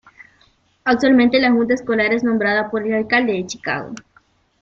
Actualmente la Junta Escolar es nombrada por el Alcalde de Chicago.